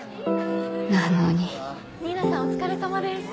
なのに新名さんお疲れさまです。ああ。